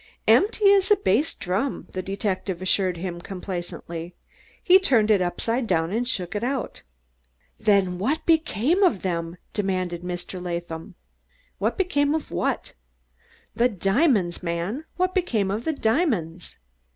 "Empty as a bass drum," the detective assured him complacently. "He turned it upside down and shook it." "Then what became of them?" demanded Mr. Latham. "Became of what?" "The diamonds, man what became of the diamonds?"